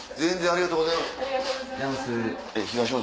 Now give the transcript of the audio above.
ありがとうございます。